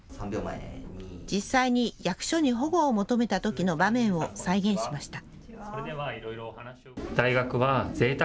実際に役所に保護を求めたときの場面を再現しました。